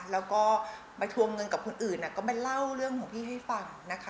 แล้วก็ไปทวงเงินกับคนอื่นก็มาเล่าเรื่องของพี่ให้ฟังนะคะ